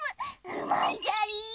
うまいじゃりー。